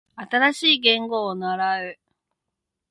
新しい言語を習う